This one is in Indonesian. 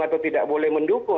atau tidak boleh mendukung